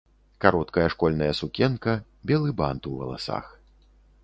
Кароткая школьная сукенка, белы бант ў валасах.